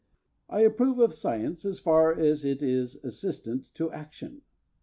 I approve of science as far as it is assistant to action.